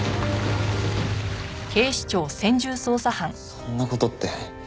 そんな事って。